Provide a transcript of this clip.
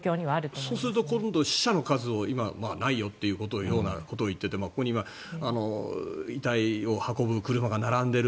そうすると今度は死者の数を今、ないよというようなことを言っていてここに遺体を運ぶ車が並んでいる。